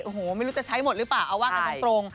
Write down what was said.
โอ้โหไม่รู้จะใช้หมดหรือเปล่าเอาว่ากันตรง